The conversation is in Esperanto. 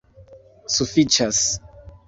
Sufiĉas!